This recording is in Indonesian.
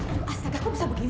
aduh asah gak usah begini